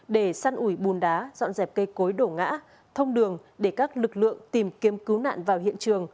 để săn ủi bùn đá dọn dẹp cây cối đổ ngã thông đường để các lực lượng tìm kiếm cứu nạn vào hiện trường